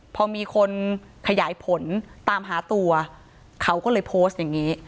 พอมีคนขยายผลตามหาตัวเขาก็เลยโพสต์อย่างนี้